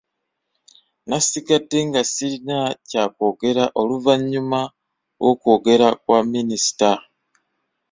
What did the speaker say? Nasigadde nga sirina kya kwogera oluvannyuma lw'okwogera kwa minisita.